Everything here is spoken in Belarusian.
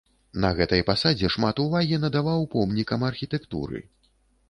На гэтай пасадзе шмат увагі надаваў помнікам архітэктуры.